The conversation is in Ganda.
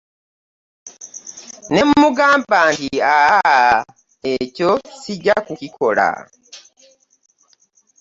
Ne mmugamba nti aaa ekyo sijja kukikola.